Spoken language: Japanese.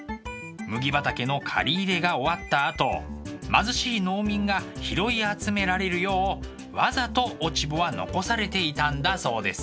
麦畑の刈り入れが終わったあと貧しい農民が拾い集められるようわざと落ち穂は残されていたんだそうです。